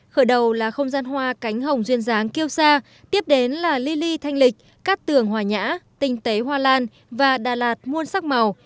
khởi đầu là không gian hoa cánh hồng duyên dáng kiêu sa tiếp đến là lili thanh lịch cát tường hòa nhã tinh tế hoa lan và đà lạt muôn sắc màu